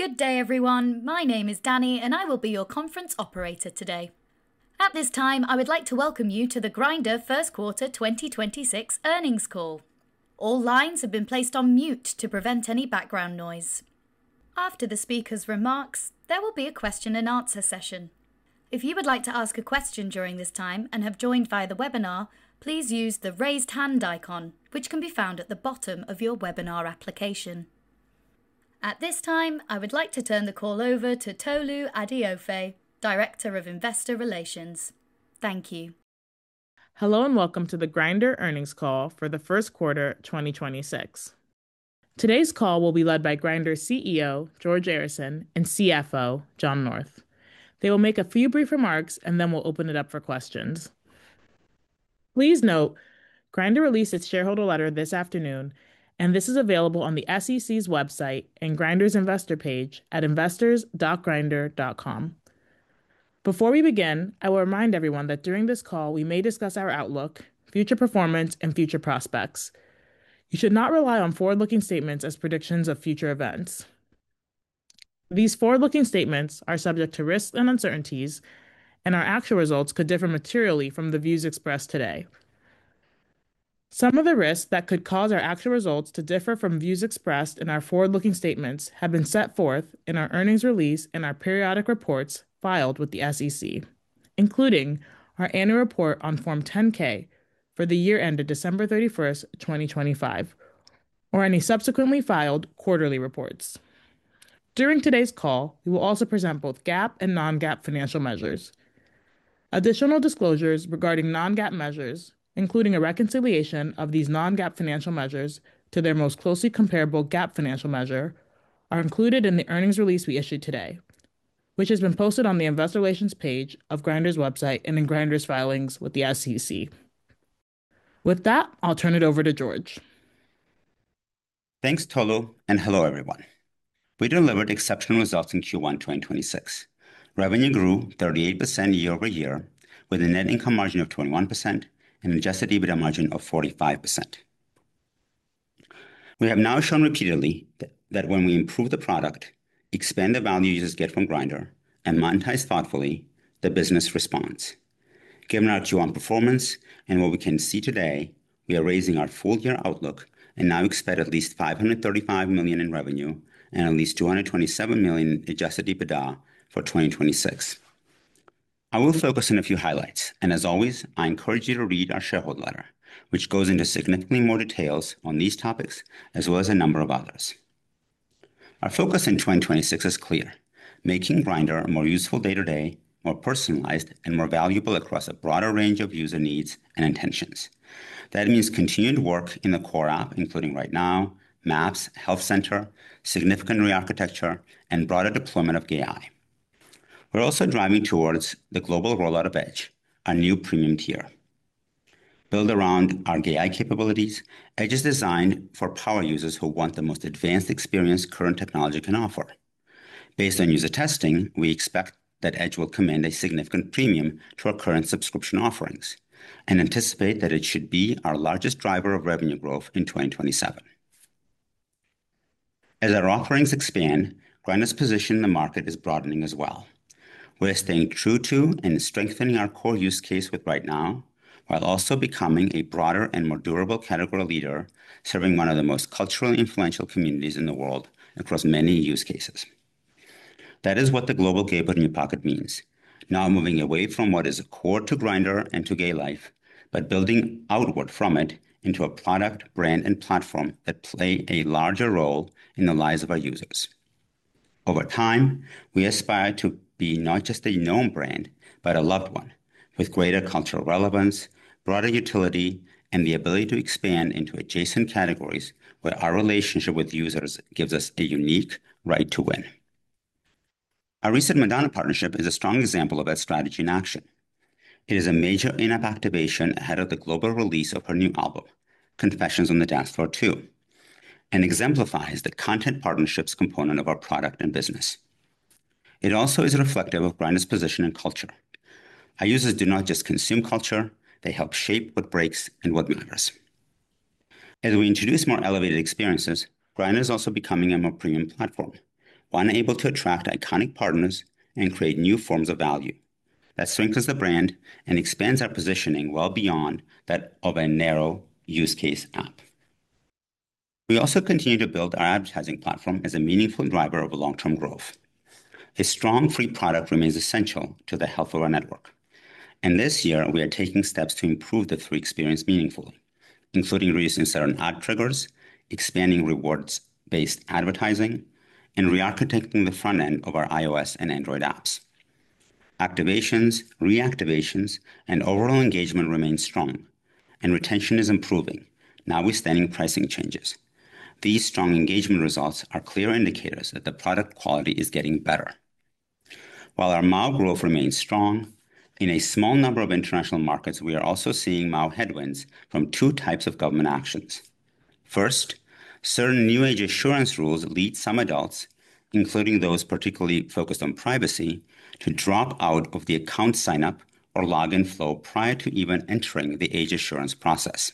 Good day, everyone. My name is Danny, and I will be your conference operator today. At this time, I would like to welcome you to the Grindr first quarter 2026 earnings call. All lines have been placed on mute to prevent any background noise. After the speaker's remarks, there will be a question-and-answer session. If you would like to ask a question during this time and have joined via the webinar, please use the Raise Hand icon, which can be found at the bottom of your webinar application. At this time, I would like to turn the call over to Tolu Adeofe, Director of Investor Relations. Thank you. Hello, and welcome to the Grindr earnings call for the first quarter 2026. Today's call will be led by Grindr's CEO, George Arison, and CFO, John North. They will make a few brief remarks, and then we'll open it up for questions. Please note, Grindr released its Shareholder Letter this afternoon, and this is available on the SEC's website and Grindr's Investor page at investors.grindr.com. Before we begin, I will remind everyone that during this call, we may discuss our outlook, future performance, and future prospects. You should not rely on forward-looking statements as predictions of future events. These forward-looking statements are subject to risks and uncertainties, and our actual results could differ materially from the views expressed today. Some of the risks that could cause our actual results to differ from views expressed in our forward-looking statements have been set forth in our earnings release and our periodic reports filed with the SEC, including our annual report on Form 10-K for the year ended December 31st, 2025, or any subsequently filed quarterly reports. During today's call, we will also present both GAAP and non-GAAP financial measures. Additional disclosures regarding non-GAAP measures, including a reconciliation of these non-GAAP financial measures to their most closely comparable GAAP financial measure, are included in the earnings release we issued today, which has been posted on the investor relations page of Grindr's website and in Grindr's filings with the SEC. With that, I'll turn it over to George. Thanks, Tolu. Hello, everyone. We delivered exceptional results in Q1 2026. Revenue grew 38% year-over-year with a net income margin of 21% and adjusted EBITDA margin of 45%. We have now shown repeatedly that when we improve the product, expand the value users get from Grindr, and monetize thoughtfully, the business responds. Given our Q1 performance and what we can see today, we are raising our full-year outlook and now expect at least $535 million in revenue and at least $227 million adjusted EBITDA for 2026. I will focus on a few highlights. As always, I encourage you to read our Shareholder Letter, which goes into significantly more details on these topics as well as a number of others. Our focus in 2026 is clear, making Grindr a more useful day-to-day, more personalized, and more valuable across a broader range of user needs and intentions. That means continued work in the core app, including Right Now, Maps, Health Center, significant rearchitecture, and broader deployment of AI. We're also driving towards the global rollout of EDGE, our new premium tier. Built around our AI capabilities, EDGE is designed for power users who want the most advanced experience current technology can offer. Based on user testing, we expect that EDGE will command a significant premium to our current subscription offerings and anticipate that it should be our largest driver of revenue growth in 2027. As our offerings expand, Grindr's position in the market is broadening as well. We're staying true to and strengthening our core use case with Right Now, while also becoming a broader and more durable category leader, serving one of the most culturally influential communities in the world across many use cases. That is what the Global Gayborhood in Your Pocket means. Moving away from what is core to Grindr and to gay life but building outward from it into a product, brand, and platform that play a larger role in the lives of our users. Over time, we aspire to be not just a known brand, but a loved one with greater cultural relevance, broader utility, and the ability to expand into adjacent categories where our relationship with users gives us a unique right to win. Our recent Madonna partnership is a strong example of that strategy in action. It is a major in-app activation ahead of the global release of her new album, Confessions on a Dance Floor II, and exemplifies the content partnerships component of our product and business. It also is reflective of Grindr's position and culture. Our users do not just consume culture, they help shape what breaks and what matters. As we introduce more elevated experiences, Grindr is also becoming a more premium platform. One able to attract iconic partners and create new forms of value that strengthens the brand and expands our positioning well beyond that of a narrow use case app. We also continue to build our advertising platform as a meaningful driver of long-term growth. A strong free product remains essential to the health of our network. This year, we are taking steps to improve the free experience meaningfully, including reducing certain ad triggers, expanding rewards-based advertising, and rearchitecting the front end of our iOS and Android apps. Activations, reactivations, and overall engagement remains strong. Retention is improving, notwithstanding pricing changes. These strong engagement results are clear indicators that the product quality is getting better. While our MAU growth remains strong in a small number of international markets, we are also seeing MAU headwinds from two types of government actions. First, certain new age assurance rules lead some adults, including those particularly focused on privacy, to drop out of the account sign-up or login flow prior to even entering the age assurance process.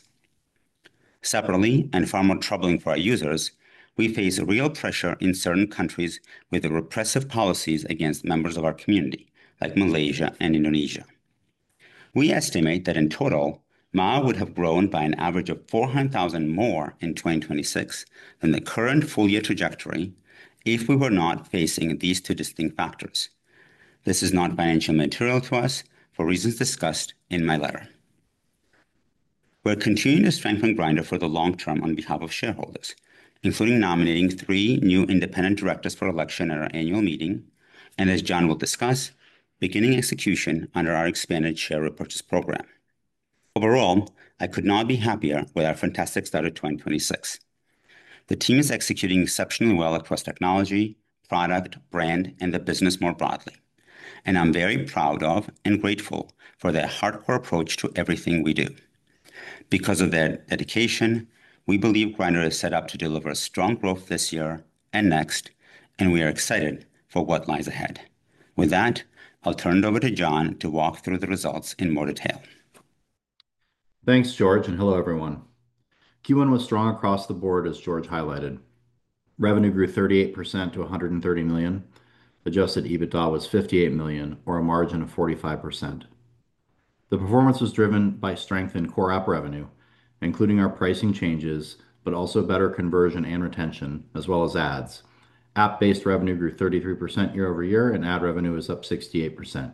Separately, and far more troubling for our users, we face a real pressure in certain countries with the repressive policies against members of our community, like Malaysia and Indonesia. We estimate that in total, MAU would have grown by an average of 400,000 more in 2026 than the current full-year trajectory if we were not facing these two distinct factors. This is not financial material to us for reasons discussed in my letter. We're continuing to strengthen Grindr for the long term on behalf of shareholders, including nominating three new independent directors for election at our annual meeting and, as John will discuss, beginning execution under our expanded share repurchase program. Overall, I could not be happier with our fantastic start of 2026. The team is executing exceptionally well across technology, product, brand, and the business more broadly. I'm very proud of and grateful for their hardcore approach to everything we do. Because of their dedication, we believe Grindr is set up to deliver strong growth this year and next, and we are excited for what lies ahead. With that, I'll turn it over to John to walk through the results in more detail. Thanks, George. Hello, everyone. Q1 was strong across the board as George highlighted. Revenue grew 38% to $130 million. Adjusted EBITDA was $58 million or a margin of 45%. The performance was driven by strength in core app revenue, including our pricing changes but also better conversion and retention as well as ads. App-based revenue grew 33% year-over-year, ad revenue is up 68%.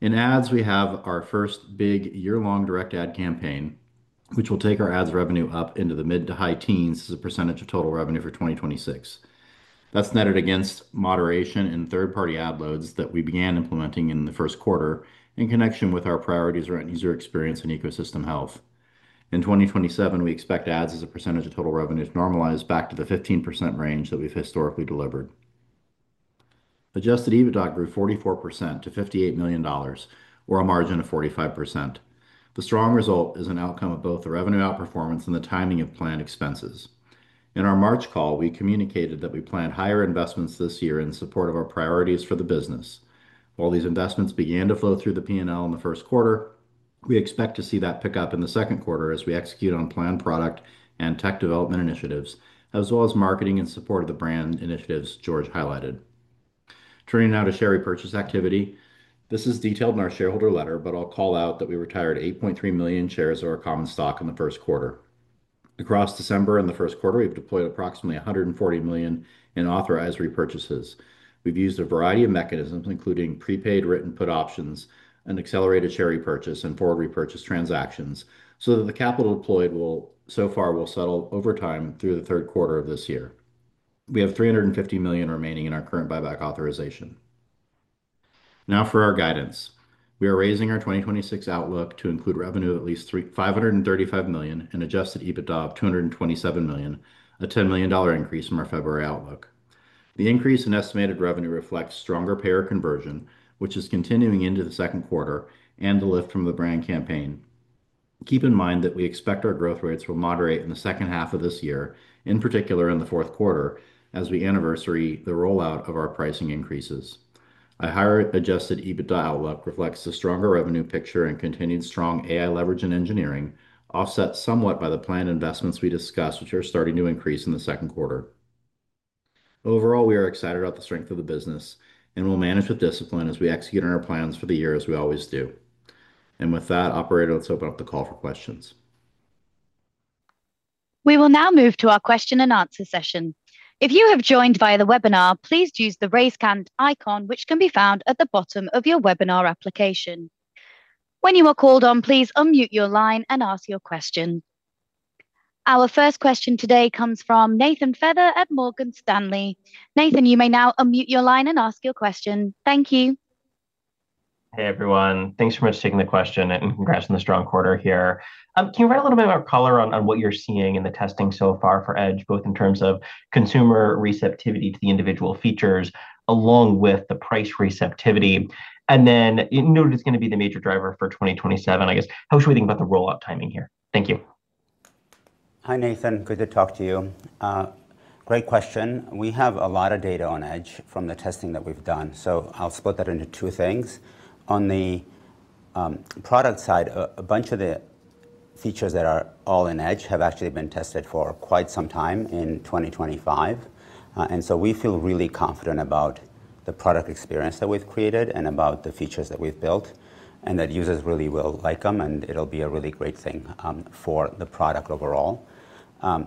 In ads, we have our first big year-long direct ad campaign, which will take our ads revenue up into the mid to high teens as a percentage of total revenue for 2026. That's netted against moderation in third-party ad loads that we began implementing in the first quarter in connection with our priorities around user experience and ecosystem health. In 2027, we expect ads as a percentage of total revenue to normalize back to the 15% range that we've historically delivered. Adjusted EBITDA grew 44% to $58 million or a margin of 45%. The strong result is an outcome of both the revenue outperformance and the timing of planned expenses. In our March call, we communicated that we planned higher investments this year in support of our priorities for the business. While these investments began to flow through the P&L in the first quarter, we expect to see that pick up in the second quarter as we execute on planned product and tech development initiatives as well as marketing in support of the brand initiatives George highlighted. Turning now to share repurchase activity. This is detailed in our Shareholder Letter, but I'll call out that we retired 8.3 million shares of our common stock in the first quarter. Across December and the first quarter, we've deployed approximately $140 million in authorized repurchases. We've used a variety of mechanisms, including prepaid written put options and accelerated share repurchase and forward repurchase transactions so that the capital deployed will settle over time through the third quarter of this year. We have $350 million remaining in our current buyback authorization. For our guidance. We are raising our 2026 outlook to include revenue at least $535 million and adjusted EBITDA of $227 million, a $10 million increase from our February outlook. The increase in estimated revenue reflects stronger payer conversion, which is continuing into the second quarter and the lift from the brand campaign. Keep in mind that we expect our growth rates will moderate in the second half of this year, in particular in the fourth quarter, as we anniversary the rollout of our pricing increases. Our higher adjusted EBITDA outlook reflects the stronger revenue picture and continued strong AI leverage in engineering, offset somewhat by the planned investments we discussed, which are starting to increase in the second quarter. Overall, we are excited about the strength of the business, and we'll manage with discipline as we execute on our plans for the year as we always do. With that, operator, let's open up the call for questions. We will now move to our question-and-answer session. If you have joined via the webinar, please use the Raise Hand icon, which can be found at the bottom of your webinar application. When you are called on, please unmute your line and ask your question. Our first question today comes from Nathan Feather at Morgan Stanley. Nathan, you may now unmute your line and ask your question. Thank you. Hey, everyone. Thanks so much for taking the question. Congrats on the strong quarter here. Can you provide a little bit more color on what you're seeing in the testing so far for EDGE, both in terms of consumer receptivity to the individual features along with the price receptivity? You noted it's gonna be the major driver for 2027, I guess. How should we think about the rollout timing here? Thank you. Hi, Nathan. Good to talk to you. Great question. We have a lot of data on EDGE from the testing that we've done, so I'll split that into two things. On the product side, a bunch of the features that are all in EDGE have actually been tested for quite some time in 2025. We feel really confident about the product experience that we've created and about the features that we've built and that users really will like them, and it'll be a really great thing for the product overall.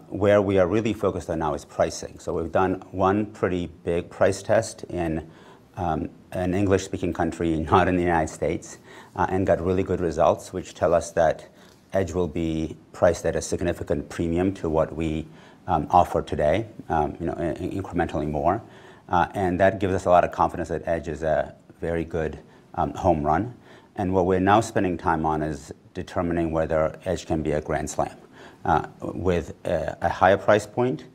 Where we are really focused on now is pricing. We've done one pretty big price test in an English-speaking country, not in the U.S., and got really good results, which tell us that EDGE will be priced at a significant premium to what we offer today, incrementally more. That gives us a lot of confidence that EDGE is a very good home run. What we're now spending time on is determining whether EDGE can be a grand slam with a higher price point.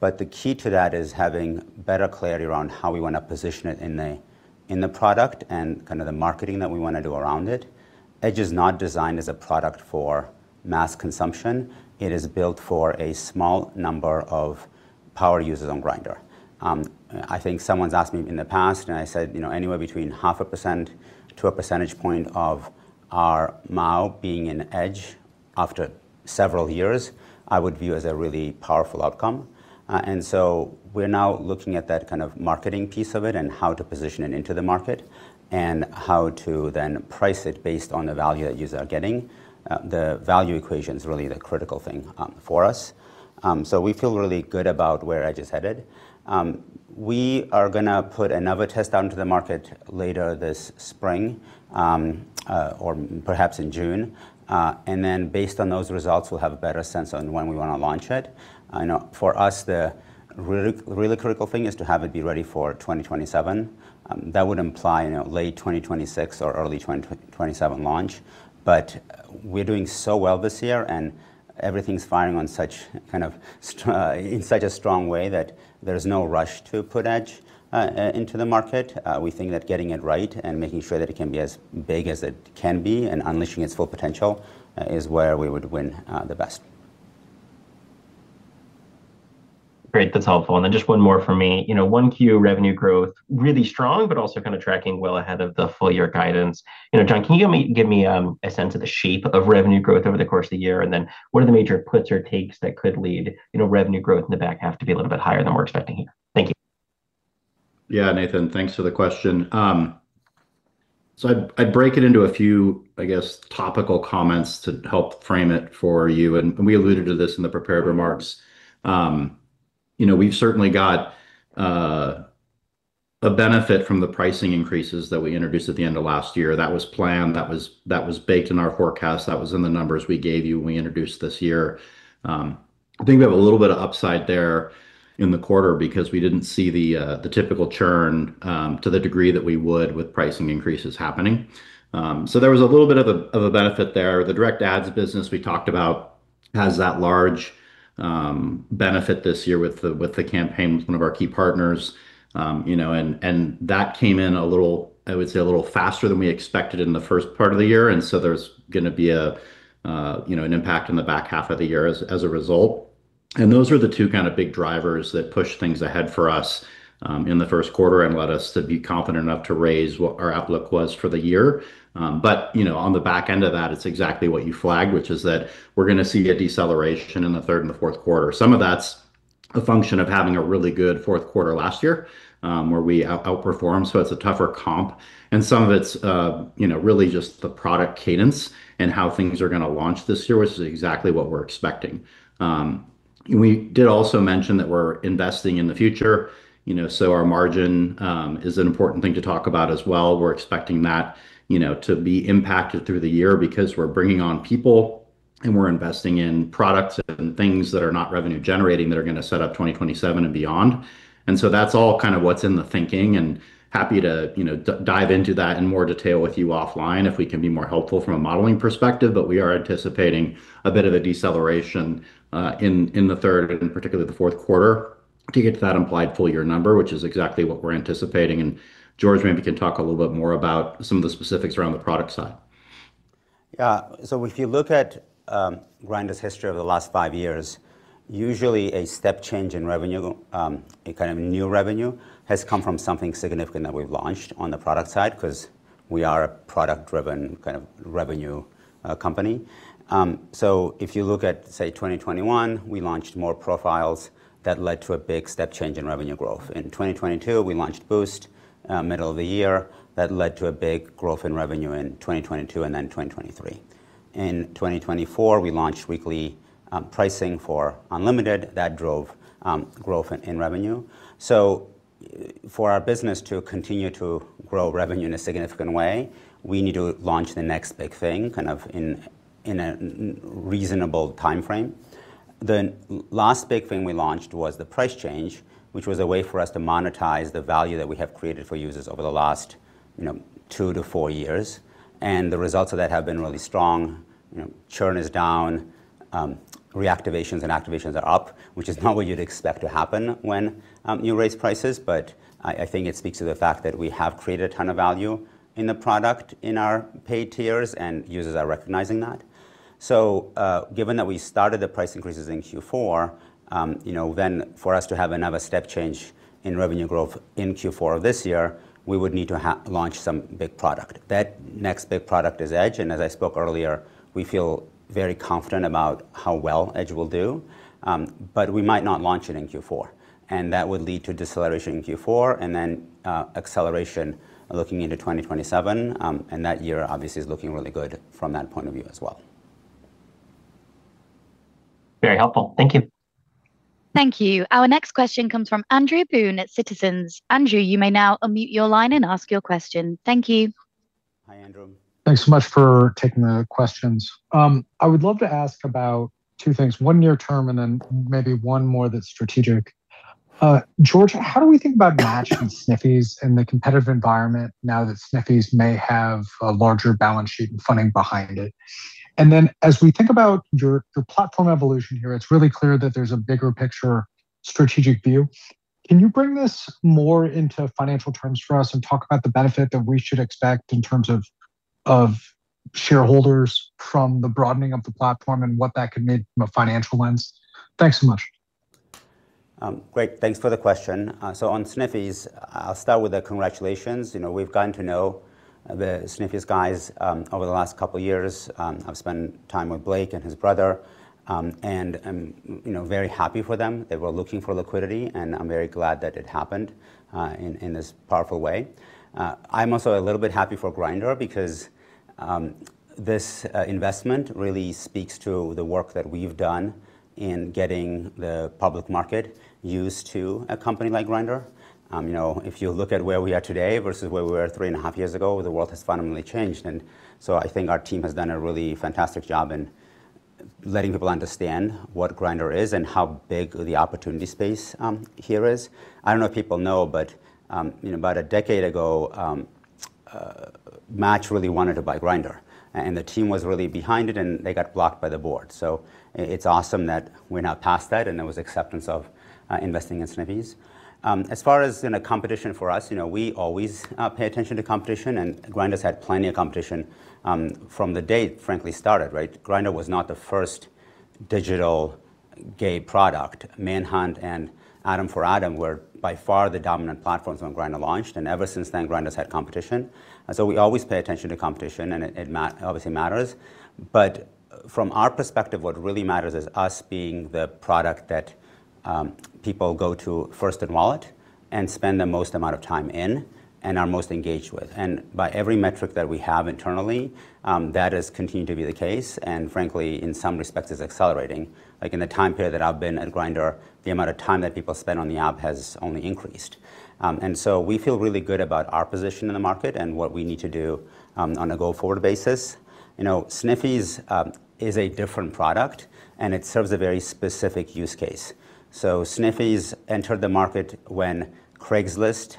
The key to that is having better clarity around how we wanna position it in the product and kind of the marketing that we wanna do around it. EDGE is not designed as a product for mass consumption. It is built for a small number of power users on Grindr. I think someone's asked me in the past, and I said, you know, anywhere between 0.5% to 1 percentage point of our MAU being in EDGE after several years, I would view as a really powerful outcome. We're now looking at that kind of marketing piece of it and how to position it into the market and how to then price it based on the value that users are getting. The value equation's really the critical thing for us. We feel really good about where EDGE is headed. We are gonna put another test out into the market later this spring or perhaps in June. Based on those results, we'll have a better sense on when we wanna launch it. I know for us, the really critical thing is to have it be ready for 2027. That would imply, you know, late 2026 or early 2027 launch. We're doing so well this year, and everything's firing in such a strong way that there's no rush to put EDGE into the market. We think that getting it right and making sure that it can be as big as it can be and unleashing its full potential is where we would win the best. Great. That's helpful. Then just one more from me. You know, 1Q revenue growth. Really strong, but also kind of tracking well ahead of the full-year guidance. You know, John, can you give me a sense of the shape of revenue growth over the course of the year? Then what are the major puts or takes that could lead, you know, revenue growth in the back half to be a little bit higher than we're expecting here? Thank you. Nathan, thanks for the question. I'd break it into a few, I guess, topical comments to help frame it for you. We alluded to this in the prepared remarks. You know, we've certainly got a benefit from the pricing increases that we introduced at the end of last year. That was planned. That was baked in our forecast. That was in the numbers we gave you when we introduced this year. I think we have a little bit of upside there in the quarter because we didn't see the typical churn to the degree that we would with pricing increases happening. There was a little bit of a benefit there. The direct ads business we talked about has that large benefit this year with the campaign with one of our key partners. You know, that came in a little faster than we expected in the first part of the year. There's gonna be an impact in the back half of the year as a result. Those are the two kind of big drivers that push things ahead for us in the first quarter and let us to be confident enough to raise what our outlook was for the year. You know, on the back end of that, it's exactly what you flagged, which is that we're gonna see a deceleration in the third and the fourth quarter. Some of that's a function of having a really good fourth quarter last year, where we outperformed, so it's a tougher comp. Some of it's, you know, really just the product cadence and how things are gonna launch this year, which is exactly what we're expecting. We did also mention that we're investing in the future. You know, so our margin is an important thing to talk about as well. We're expecting that, you know, to be impacted through the year because we're bringing on people. We're investing in products and things that are not revenue generating that are gonna set up 2027 and beyond. So that's all kind of what's in the thinking, and happy to, you know, dive into that in more detail with you offline if we can be more helpful from a modeling perspective. We are anticipating a bit of a deceleration in the third, and particularly the fourth quarter to get to that implied full-year number, which is exactly what we're anticipating. George maybe can talk a little bit more about some of the specifics around the product side. Yeah. If you look at Grindr's history over the last five years, usually a step change in revenue, a kind of new revenue has come from something significant that we've launched on the product side 'cause we are a product-driven kind of revenue company. If you look at, say, 2021, we launched more profiles that led to a big step change in revenue growth. In 2022, we launched Boost, middle of the year. That led to a big growth in revenue in 2022 and 2023. In 2024, we launched weekly pricing for Unlimited. That drove growth in revenue. For our business to continue to grow revenue in a significant way, we need to launch the next big thing kind of in a reasonable timeframe. The last big thing we launched was the price change, which was a way for us to monetize the value that we have created for users over the last, you know, two to four years. The results of that have been really strong. You know, churn is down. Reactivations and activations are up, which is not what you'd expect to happen when you raise prices. I think it speaks to the fact that we have created a ton of value in the product in our paid tiers. Users are recognizing that. Given that we started the price increases in Q4, you know, for us to have another step change in revenue growth in Q4 of this year, we would need to launch some big product. That next big product is EDGE. As I spoke earlier, we feel very confident about how well EDGE will do. We might not launch it in Q4, and that would lead to deceleration in Q4 and then acceleration looking into 2027. That year obviously is looking really good from that point of view as well. Very helpful. Thank you. Thank you. Our next question comes from Andrew Boone at Citizens. Andrew, you may now unmute your line and ask your question. Thank you. Hi, Andrew. Thanks so much for taking the questions. I would love to ask about two things, one near term and then maybe one more that's strategic. George, how do we think about Match and Sniffies and the competitive environment now that Sniffies may have a larger balance sheet and funding behind it? As we think about your platform evolution here, it's really clear that there's a bigger picture strategic view. Can you bring this more into financial terms for us and talk about the benefit that we should expect in terms of shareholders from the broadening of the platform and what that could mean from a financial lens? Thanks so much. Great, thanks for the question. On Sniffies, I'll start with a congratulations. You know, we've gotten to know the Sniffies guys over the last couple years. I've spent time with Blake and his brother. I'm, you know, very happy for them. They were looking for liquidity, and I'm very glad that it happened in this powerful way. I'm also a little bit happy for Grindr because this investment really speaks to the work that we've done in getting the public market used to a company like Grindr. You know, if you look at where we are today versus where we were 3.5 years ago, the world has fundamentally changed. I think our team has done a really fantastic job in letting people understand what Grindr is and how big the opportunity space here is. I don't know if people know. You know, about a decade ago, Match really wanted to buy Grindr. The team was really behind it, and they got blocked by the Board. It's awesome that we're now past that, and there was acceptance of investing in Sniffies. As far as in a competition for us, you know, we always pay attention to competition, and Grindr's had plenty of competition from the day it frankly started, right? Grindr was not the first digital gay product. Manhunt and Adam4Adam were by far the dominant platforms when Grindr launched. Ever since then, Grindr's had competition. We always pay attention to competition, and it obviously matters. From our perspective, what really matters is us being the product that people go to first in wallet and spend the most amount of time in and are most engaged with. By every metric that we have internally, that has continued to be the case and frankly, in some respects is accelerating. Like, in the time period that I've been at Grindr, the amount of time that people spend on the app has only increased. We feel really good about our position in the market and what we need to do on a go-forward basis. You know, Sniffies is a different product, and it serves a very specific use case. Sniffies entered the market when Craigslist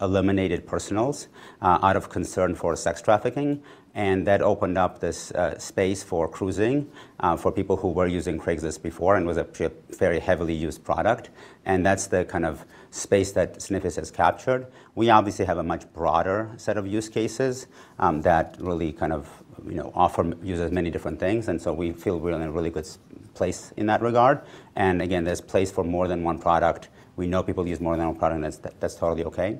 eliminated personals out of concern for sex trafficking. That opened up this space for cruising for people who were using Craigslist before and was a very heavily used product. That's the kind of space that Sniffies has captured. We obviously have a much broader set of use cases that really kind of, you know, offer users many different things. We feel we're in a really good place in that regard. Again, there's place for more than one product. We know people use more than one product, and that's totally okay.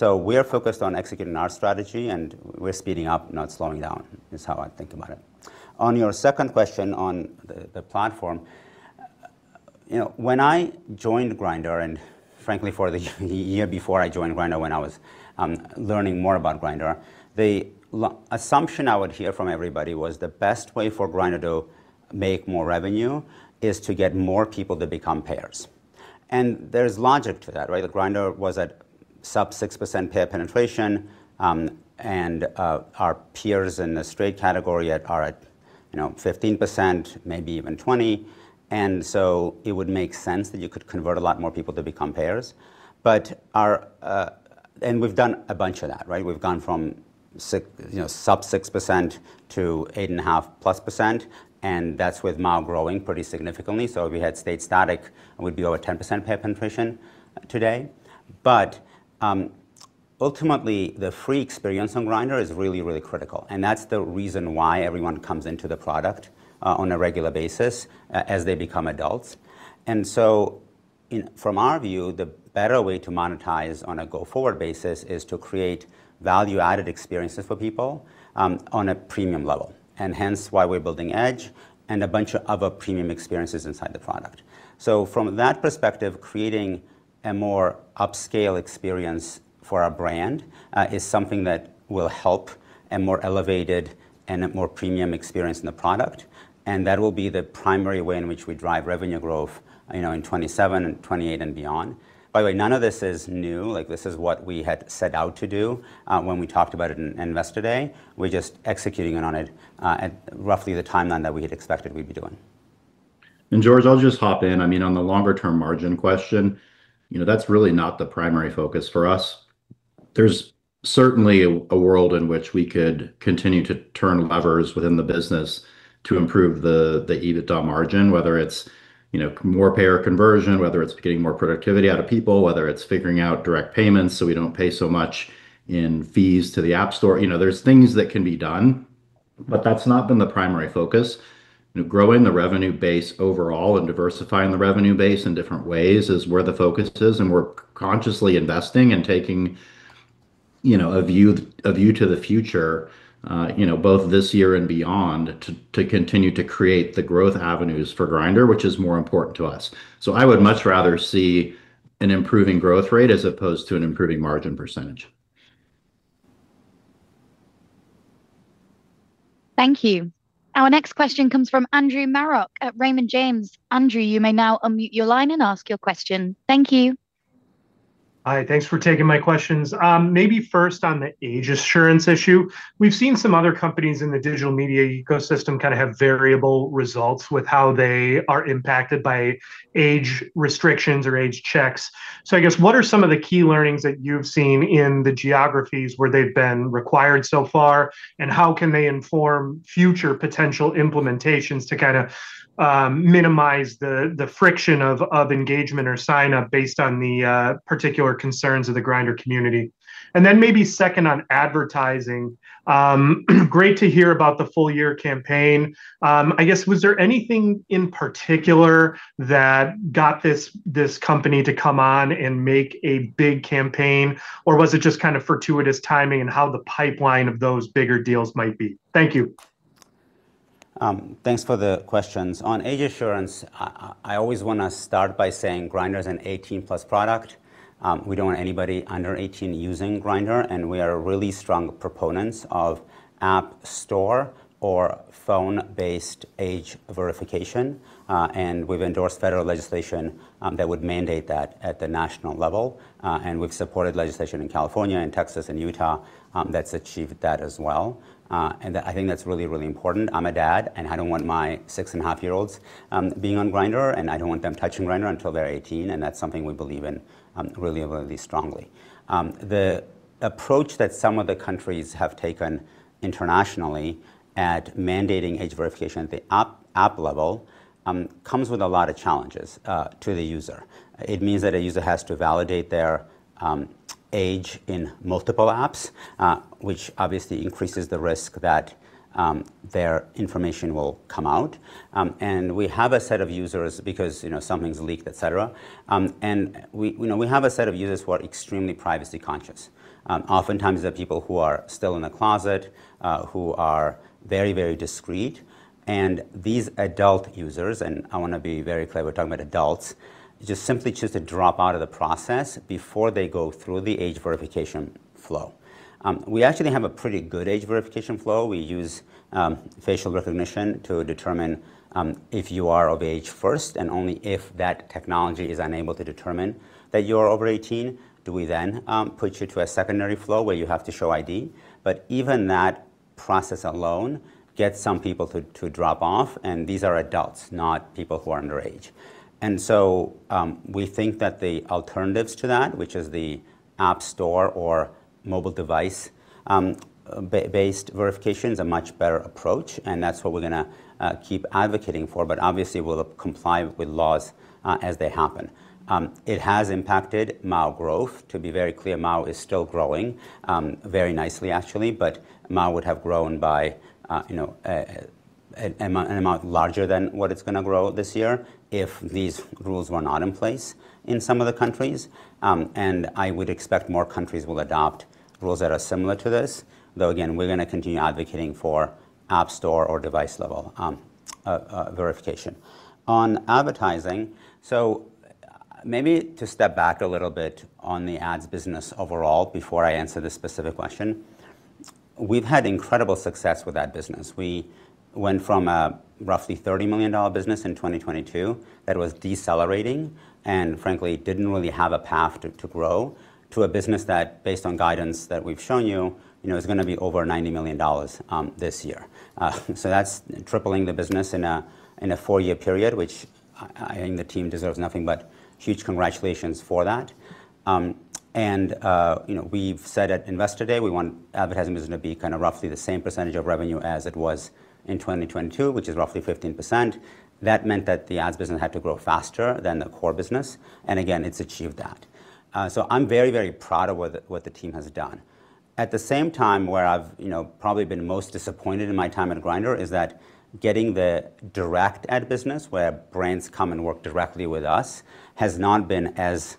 We're focused on executing our strategy, and we're speeding up, not slowing down, is how I think about it. On your second question on the platform. You know, when I joined Grindr, and frankly, for the year before I joined Grindr when I was learning more about Grindr, the assumption I would hear from everybody was the best way for Grindr to make more revenue is to get more people to become payers. There's logic to that, right? Like, Grindr was at sub 6% payer penetration, and our peers in the straight category are at, you know, 15%. Maybe even 20%. It would make sense that you could convert a lot more people to become payers. We've done a bunch of that, right? We've gone from 6%- you know, sub 6% to 8.5%+, and that's with MAU growing pretty significantly. If we had stayed static, we'd be over 10% payer penetration today. Ultimately, the free experience on Grindr is really, really critical, and that's the reason why everyone comes into the product on a regular basis as they become adults. From our view, the better way to monetize on a go-forward basis is to create value-added experiences for people on a premium level. Hence, why we're building EDGE and a bunch of other premium experiences inside the product. From that perspective, creating a more upscale experience for our brand is something that will help a more elevated and a more premium experience in the product, and that will be the primary way in which we drive revenue growth, you know, in 2027 and 2028 and beyond. By the way, none of this is new. Like, this is what we had set out to do, when we talked about it in Investor Day. We're just executing it on a, at roughly the timeline that we had expected we'd be doing. George, I'll just hop in. I mean, on the longer term margin question. You know, that's really not the primary focus for us. There's certainly a world in which we could continue to turn levers within the business to improve the EBITDA margin. Whether it's, you know, more payer conversion. Whether it's getting more productivity out of people. Whether it's figuring out direct payments so we don't pay so much in fees to the App Store. You know, there's things that can be done, but that's not been the primary focus. You know, growing the revenue base overall and diversifying the revenue base in different ways is where the focus is. We're consciously investing and taking, you know, a view to the future, you know, both this year and beyond to continue to create the growth avenues for Grindr, which is more important to us. I would much rather see an improving growth rate as opposed to an improving margin percentage. Thank you. Our next question comes from Andrew Marok at Raymond James. Andrew, you may now unmute your line and ask your question. Thank you. Hi, thanks for taking my questions. Maybe first on the age assurance issue. We've seen some other companies in the digital media ecosystem kind of have variable results with how they are impacted by age restrictions or age checks. I guess what are some of the key learnings that you've seen in the geographies where they've been required so far, and how can they inform future potential implementations to minimize the friction of engagement or sign-up based on the particular concerns of the Grindr community? Then maybe second on advertising, great to hear about the full-year campaign. I guess was there anything in particular that got this company to come on and make a big campaign or was it just kind of fortuitous timing in how the pipeline of those bigger deals might be? Thank you. Thanks for the questions. On age assurance, I always wanna start by saying Grindr's an 18+ product. We don't want anybody under 18 using Grindr, and we are really strong proponents of App Store or phone-based age verification. We've endorsed federal legislation that would mandate that at the national level. We've supported legislation in California and Texas and Utah that's achieved that as well. I think that's really, really important. I'm a dad, and I don't want my 6.5 year olds being on Grindr. I don't want them touching Grindr until they're 18, and that's something we believe in really, really strongly. The approach that some of the countries have taken internationally at mandating age verification at the app level comes with a lot of challenges to the user. It means that a user has to validate their age in multiple apps, which obviously increases the risk that their information will come out. We have a set of users, because, you know, something's leaked, et cetera. We know we have a set of users who are extremely privacy conscious. Oftentimes, they're people who are still in the closet, who are very, very discreet. These adult users, and I wanna be very clear we're talking about adults, just simply choose to drop out of the process before they go through the age verification flow. We actually have a pretty good age verification flow. We use facial recognition to determine if you are of age first, and only if that technology is unable to determine that you're over 18 do we then put you to a secondary flow where you have to show ID. Even that process alone gets some people to drop off, and these are adults, not people who are underage. We think that the alternatives to that, which is the App Store or mobile device-based verification's a much better approach, and that's what we're gonna keep advocating for. Obviously we'll comply with laws as they happen. It has impacted MAU growth. To be very clear, MAU is still growing very nicely actually. MAU would have grown by, you know, an amount larger than what it's gonna grow this year if these rules were not in place in some of the countries. I would expect more countries will adopt rules that are similar to this. Though again, we're gonna continue advocating for App Store or device-level verification. On advertising, maybe to step back a little bit on the ads business overall before I answer this specific question. We've had incredible success with that business. We went from a roughly $30 million business in 2022 that was decelerating and, frankly, didn't really have a path to grow, to a business that, based on guidance that we've shown you know, is gonna be over $90 million this year. That's tripling the business in a four-year period, which I think the team deserves nothing but huge congratulations for that. You know, we've said at Investor Day, we want ad business to be kinda roughly the same percentage of revenue as it was in 2022, which is roughly 15%. That meant that the ads business had to grow faster than the core business, and again, it's achieved that. I'm very, very proud of what the team has done. At the same time, where I've, you know, probably been most disappointed in my time at Grindr is that getting the direct ad business where brands come and work directly with us, has not been as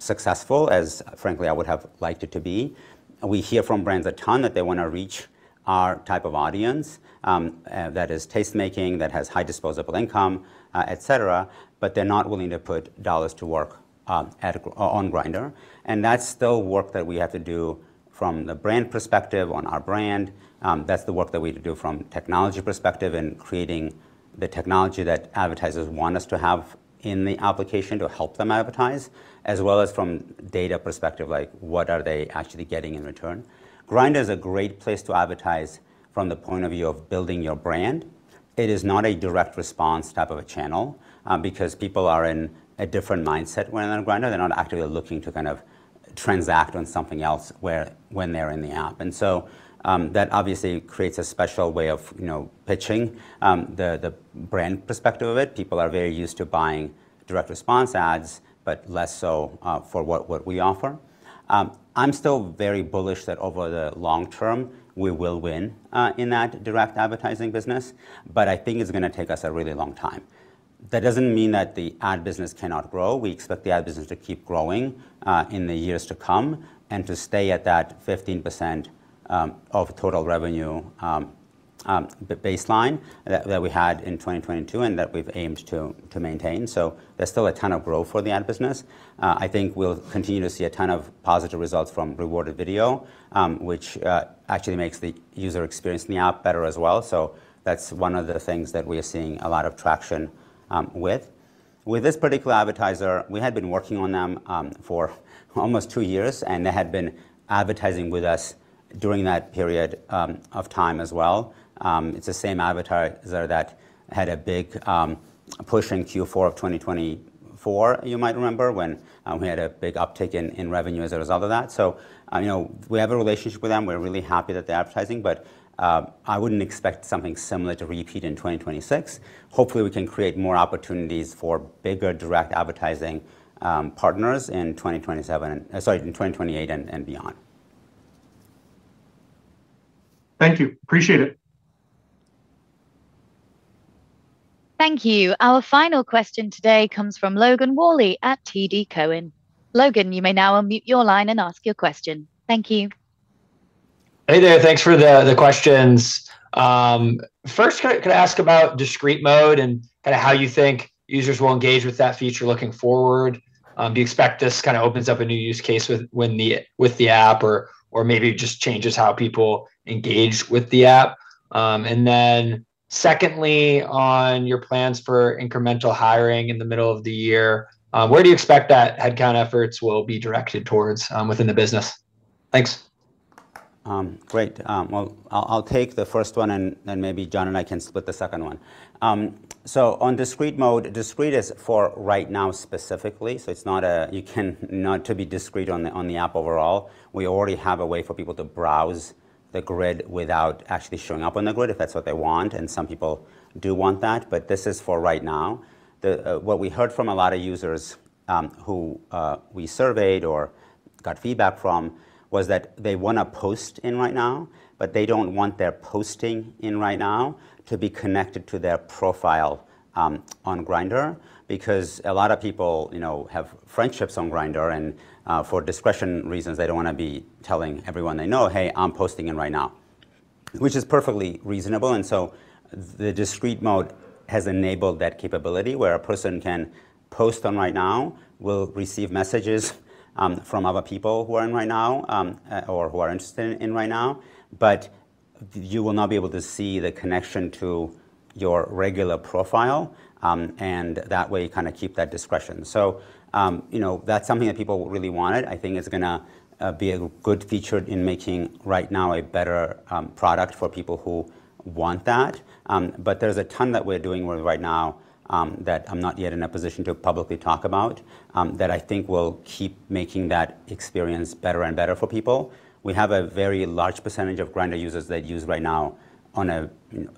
successful as, frankly, I would have liked it to be. We hear from brands a ton that they wanna reach our type of audience that is taste-making, that has high disposable income, et cetera. They're not willing to put dollars to work on Grindr, and that's still work that we have to do from the brand perspective on our brand. That's the work that we have to do from technology perspective and creating the technology that advertisers want us to have in the application to help them advertise, as well as from data perspective, like what are they actually getting in return? Grindr's a great place to advertise from the point of view of building your brand. It is not a direct response type of a channel because people are in a different mindset when they're on Grindr. They're not actively looking to kind of transact on something else where, when they're in the app. That obviously creates a special way of, you know, pitching the brand perspective of it. People are very used to buying direct response ads, but less so for what we offer. I'm still very bullish that over the long term, we will win in that direct advertising business, but I think it's gonna take us a really long time. That doesn't mean that the ad business cannot grow. We expect the ad business to keep growing in the years to come and to stay at that 15% of total revenue baseline that we had in 2022 and that we've aimed to maintain. There's still a ton of growth for the ad business. I think we'll continue to see a ton of positive results from rewarded video, which actually makes the user experience in the app better as well. That's one of the things that we are seeing a lot of traction with. With this particular advertiser, we had been working on them for almost two years. They had been advertising with us during that period of time as well. It's the same advertiser that had a big push in Q4 of 2024, you might remember, when we had a big uptick in revenue as a result of that. You know, we have a relationship with them. We're really happy that they're advertising, but I wouldn't expect something similar to repeat in 2026. Hopefully, we can create more opportunities for bigger direct advertising partners in 2027, sorry, in 2028 and beyond. Thank you. Appreciate it. Thank you. Our final question today comes from Logan Whalley at TD Cowen. Logan, you may now unmute your line and ask your question. Thank you. Hey there. Thanks for the questions. First could I ask about discreet mode and kinda how you think users will engage with that feature looking forward? Do you expect this kinda opens up a new use case with the app or maybe just changes how people engage with the app? Secondly, on your plans for incremental hiring in the middle of the year. Where do you expect that headcount efforts will be directed towards within the business? Thanks. Great. Well, I'll take the first one and then maybe John and I can split the second one. On discreet mode, discreet is for Right Now specifically. You can not to be discreet on the app overall. We already have a way for people to browse the grid without actually showing up on the grid if that's what they want. Some people do want that. This is for Right Now. What we heard from a lot of users who we surveyed or got feedback from was that they wanna post in Right Now, but they don't want their posting in Right Now to be connected to their profile on Grindr. A lot of people, you know, have friendships on Grindr. For discretion reasons, they don't want to be telling everyone they know, "Hey, I'm posting in Right Now," which is perfectly reasonable. The discreet mode has enabled that capability where a person can post on Right Now, will receive messages from other people who are in Right Now, or who are interested in Right Now. You will not be able to see the connection to your regular profile. That way you kind of keep that discretion. You know, that is something that people really wanted. I think it is going to be a good feature in making Right Now a better product for people who want that. There's a ton that we're doing with Right Now that I'm not yet in a position to publicly talk about that I think will keep making that experience better and better for people. We have a very large percentage of Grindr users that use Right Now on a, you know,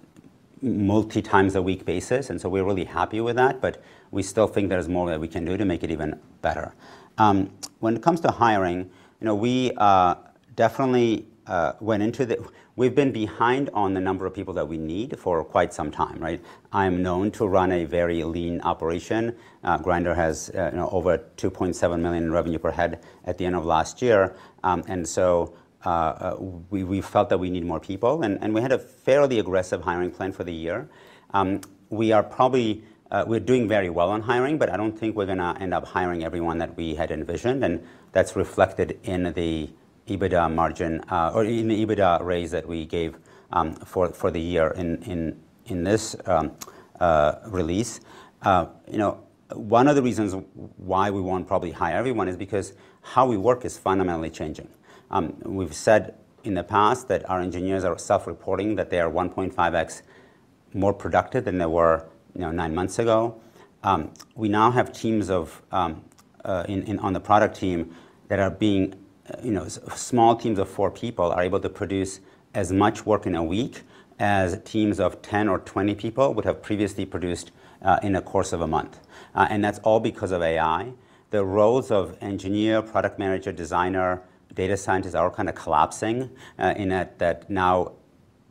multi times a week basis. We're really happy with that, but we still think there's more that we can do to make it even better. When it comes to hiring, you know, we definitely have been behind on the number of people that we need for quite some time, right? I'm known to run a very lean operation. Grindr has, you know, over $2.7 million in revenue per head at the end of last year. We felt that we need more people and we had a fairly aggressive hiring plan for the year. We are probably, we're doing very well on hiring, but I don't think we're gonna end up hiring everyone that we had envisioned. That's reflected in the EBITDA margin or in the EBITDA raise that we gave for the year in this release. You know, one of the reasons why we won't probably hire everyone is because how we work is fundamentally changing. We've said in the past that our engineers are self-reporting that they are 1.5x more productive than they were, you know, nine months ago. We now have teams of, in, on the product team that are being, you know, small teams of four people are able to produce as much work in a week as teams of 10 or 20 people would have previously produced in the course of a month. That's all because of AI. The roles of engineer, product manager, designer, data scientist are all kinda collapsing in that now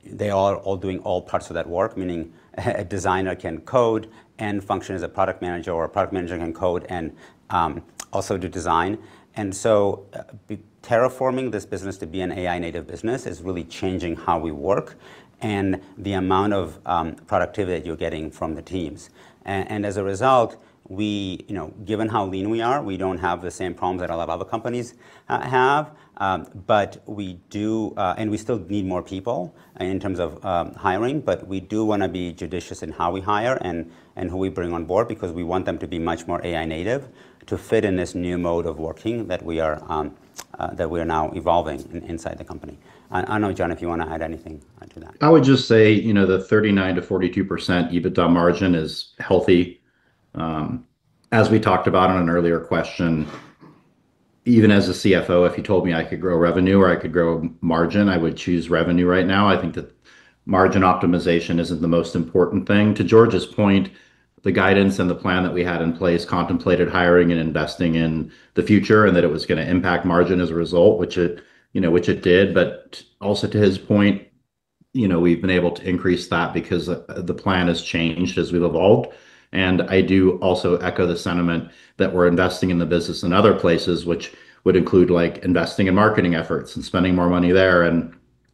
they are all doing all parts of that work, meaning a designer can code and function as a product manager or a product manager can code and also do design. Terraforming this business to be an AI-native business is really changing how we work, and the amount of productivity that you're getting from the teams. As a result, we, you know, given how lean we are, we don't have the same problems that a lot of other companies have. We do, and we still need more people in terms of hiring, but we do wanna be judicious in how we hire and who we bring on board because we want them to be much more AI-native to fit in this new mode of working that we are that we are now evolving in inside the company. I don't know, John, if you wanna add anything onto that. I would just say, you know, the 39%-42% EBITDA margin is healthy. As we talked about on an earlier question, even as a CFO, if you told me I could grow revenue or I could grow margin, I would choose revenue right now. I think that margin optimization isn't the most important thing. To George's point, the guidance and the plan that we had in place contemplated hiring and investing in the future and that it was gonna impact margin as a result, which it, you know, did. Also to his point, you know, we've been able to increase that because the plan has changed as we've evolved. I do also echo the sentiment that we're investing in the business in other places, which would include like investing in marketing efforts and spending more money there.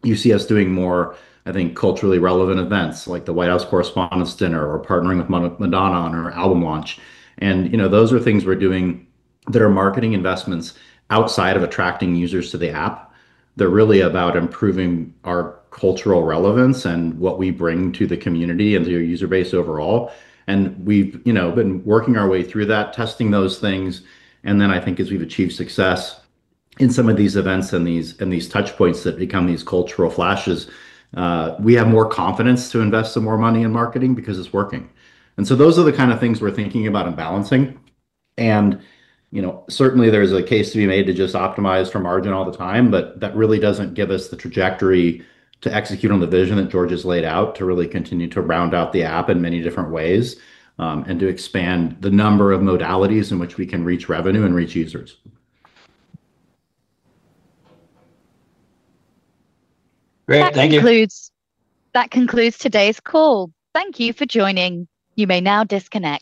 You see us doing more, I think, culturally relevant events like the White House Correspondents' Dinner or partnering with Madonna on her album launch. You know, those are things we're doing that are marketing investments outside of attracting users to the app. They're really about improving our cultural relevance and what we bring to the community and to your user base overall. We've, you know, been working our way through that, testing those things. I think as we've achieved success in some of these events and these touch points that become these cultural flashes, we have more confidence to invest some more money in marketing because it's working. Those are the kind of things we're thinking about and balancing. You know, certainly there's a case to be made to just optimize for margin all the time. That really doesn't give us the trajectory to execute on the vision that George has laid out to really continue to round out the app in many different ways, and to expand the number of modalities in which we can reach revenue and reach users. Great. Thank you. That concludes today's call. Thank you for joining. You may now disconnect.